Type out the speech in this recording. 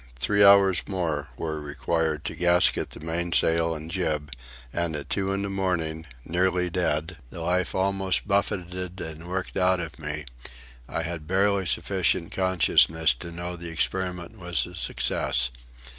Three hours more were required to gasket the mainsail and jib, and at two in the morning, nearly dead, the life almost buffeted and worked out of me, I had barely sufficient consciousness to know the experiment was a success.